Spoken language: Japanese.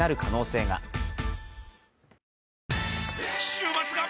週末が！！